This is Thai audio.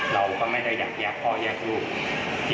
เราก็ไม่ได้อยากแยกพ่อแยกลูก